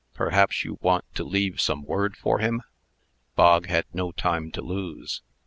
P'a'ps you want to leave some word for him?" Bog had no time to lose.